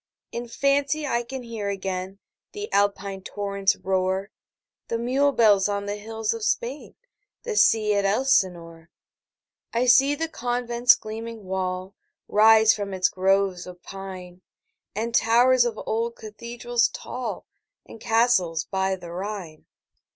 In fancy I can hear again The Alpine torrent's roar, The mule bells on the hills of Spain, 15 The sea at Elsinore. I see the convent's gleaming wall Rise from its groves of pine, And towers of old cathedrals tall, And castles by the Rhine.